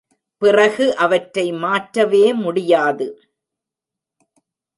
பிறகு அவற்றை மாற்றவே முடியாது.